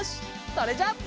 それじゃあ。